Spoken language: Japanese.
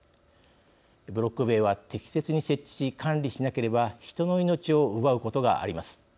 ブロック塀は適切に設置し管理しなければ人の命を奪うことがあります。